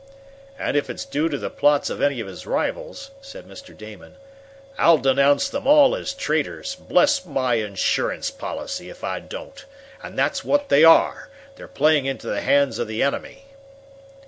"And if it's due to the plots of any of his rivals," said Mr. Damon, "I'll denounce them all as traitors, bless my insurance policy, if I don't! And that's what they are! They're playing into the hands of the enemy!"